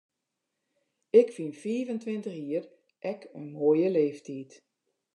Ik fyn fiif en tweintich jier ek in moaie leeftyd.